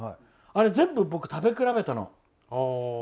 あれ全部食べ比べたの。